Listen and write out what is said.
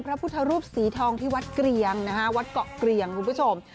พระพุทธรูปสีทองที่วัดเกรียงนะฮะวัดเกาะเกรียงคุณผู้ชม